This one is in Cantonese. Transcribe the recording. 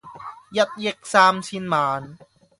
一億三千萬